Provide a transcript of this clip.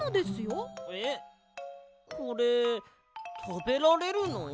えっこれたべられるの？